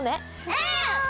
うん！